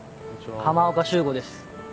浜岡修吾です。